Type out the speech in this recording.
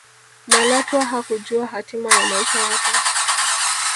malatwa hakujua hatima ya maisha yake